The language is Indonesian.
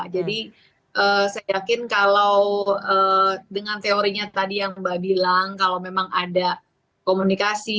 jadi saya yakin kalau dengan teorinya tadi yang mbak bilang kalau memang ada komunikasi